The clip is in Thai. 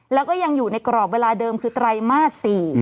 แล้วก็ยังอยู่ในกรอบเวลาเดิมคือไตรมาส๔